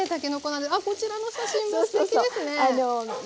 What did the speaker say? あこちらの写真もすてきですね。